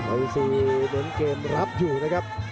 อินซีเน้นเกมรับอยู่นะครับ